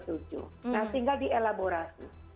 nah tinggal dielaborasi